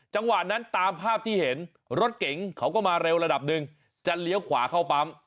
จังหวะนั้นตามภาพที่เห็นรถเก๋งเขาก็มาเร็วระดับหนึ่งจะเลี้ยวขวาเข้าปั๊ม